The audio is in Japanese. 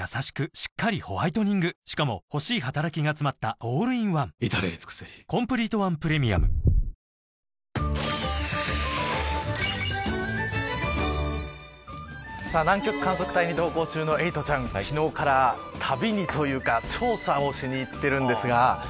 しっかりホワイトニングしかも欲しい働きがつまったオールインワン至れり尽せり南極観測隊に同行中のエイトちゃん昨日から、旅にというか調査をしに行っているんですが。